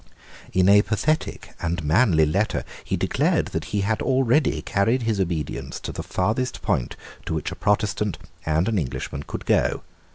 In a pathetic and manly letter he declared that he had already carried his obedience to the farthest point to which a Protestant and an Englishman could go.